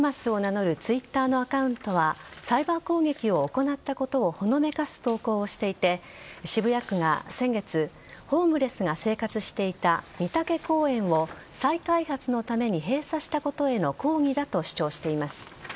サイバー攻撃を行ったことをほのめかす投稿をしていて渋谷区が先月ホームレスが生活していた美竹公園を再開発のために閉鎖したことへの抗議だと主張しています。